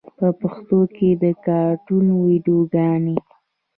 په پښتو کې د کاټون ویډیوګانې